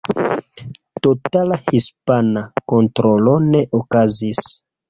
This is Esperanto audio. Totala hispana kontrolo ne okazis.